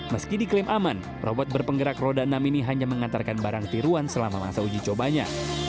meski diklaim aman robot berpenggerak roda enam ini hanya mengantarkan barang tiruan selama masa uji cobanya